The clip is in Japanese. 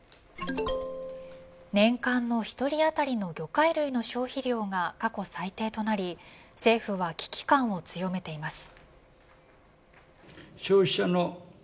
年間の１人当たりの魚介類の消費量が過去最低となり政府は危機感を強めています。